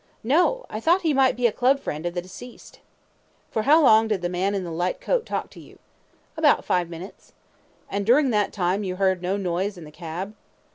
A. No; I thought he might be a club friend of the deceased. Q. For how long did the man in the light coat talk to you? A. About five minutes. Q. And during that time you heard no noise in the cab?